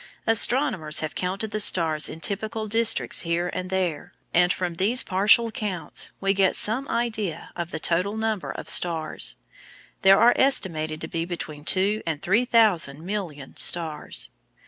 Astronomers have counted the stars in typical districts here and there, and from these partial counts we get some idea of the total number of stars. There are estimated to be between two and three thousand million stars.